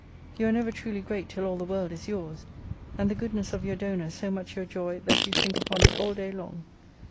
You are never truly great till all the world is yours : and the goodness of your Donor so much your joy, that you think upon it all day long.